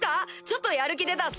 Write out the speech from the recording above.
ちょっとやる気出たっす！